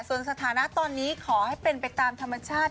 ส่วนสถานะตอนนี้ขอให้เป็นไปตามธรรมชาติ